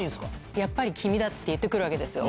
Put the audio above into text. やっぱり君だって言ってくるわけですよ。